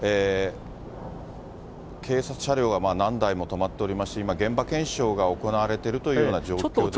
警察車両が何台も止まっておりますし、今、現場検証が行われてるというような状況ですね。